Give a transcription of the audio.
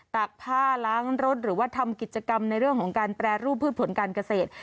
ตากผ้าล้างรถหรือว่าทำกิจกรรมในเรื่องของการแปรรูปพืชผลการเกษตร